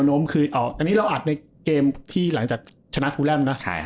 นี้เราอัดเกมที่หลังจากชนะฟูแลมนะ